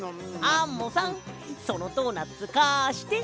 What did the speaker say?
アンモさんそのドーナツかして。